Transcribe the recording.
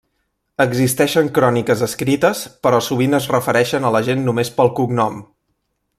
Existeixen cròniques escrites però sovint es refereixen a la gent només pel cognom.